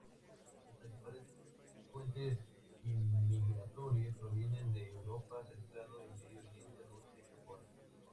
Las principales fuentes inmigratorias provinieron de Europa, Cercano y Medio Oriente, Rusia y Japón.